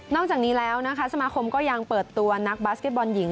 จากนี้แล้วนะคะสมาคมก็ยังเปิดตัวนักบาสเก็ตบอลหญิง